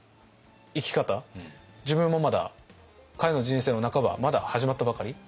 自分もまだ彼の人生の半ばまだ始まったばかり。